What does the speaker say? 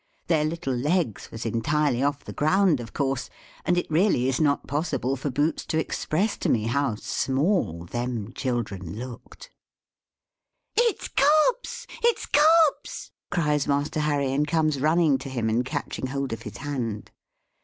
Their little legs was entirely off the ground, of course, and it really is not possible for Boots to express to me how small them children looked. "It's Cobbs! It's Cobbs!" cries Master Harry, and comes running to him, and catching hold of his hand.